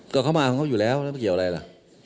ก็เขามาของเขาอยู่แล้วแล้วไม่เกี่ยวอะไรล่ะ